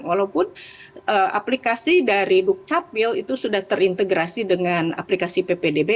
walaupun aplikasi dari dukcapil itu sudah terintegrasi dengan aplikasi ppdb